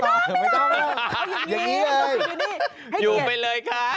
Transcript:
ไม่ต้องอย่างนี้เลยอยู่ไปเลยค่ะ